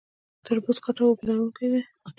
تربوز غټ او اوبه لرونکی دی